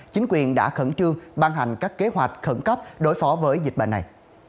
chính quyền đã khẩn trương ban hành các kế hoạch khẩn cấp đối phó với dịch bệnh này